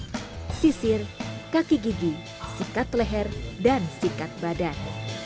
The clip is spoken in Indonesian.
gunting sasat sisir kaki gigi sikat leher dan sikat badan